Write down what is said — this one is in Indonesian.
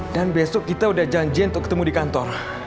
dan besok kita udah janjiin untuk ketemu di kantor